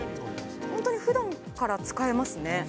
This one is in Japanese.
本当にふだんから使えますね。